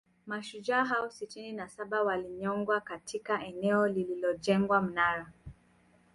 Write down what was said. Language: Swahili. Mashujaa hao sitini na saba walinyongwa katika eneo lililojengwa Mnara